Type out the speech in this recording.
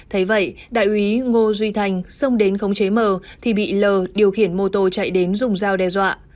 thấy vậy đại úy ngô duy thành xông đến khống chế mờ thì bị lờ điều khiển mô tô chạy đến dùng dao đe dọa